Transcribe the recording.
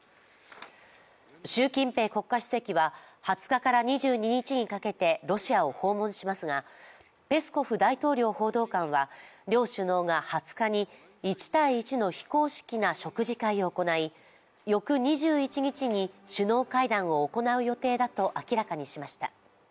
習近平国家主席は、２０日から２２日にかけてロシアを訪問しますが、ペスコフ大統領報道官は両首脳が２０日に１対１の非公式な食事会を行い、翌２１日に首脳会談を行う予定だと明らかにしました。